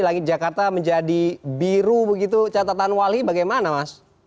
langit jakarta menjadi biru begitu catatan wali bagaimana mas